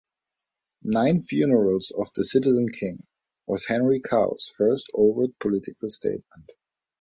"Nine Funerals of the Citizen King" was Henry Cow's first overt political statement.